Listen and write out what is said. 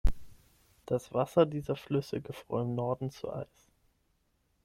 Das Wasser dieser Flüsse gefror im Norden zu Eis.